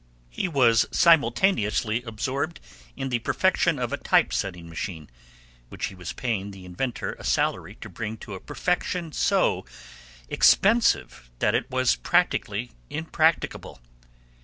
He was simultaneously absorbed in the perfection of a type setting machine, which he was paying the inventor a salary to bring to a perfection so expensive that it was practically impracticable.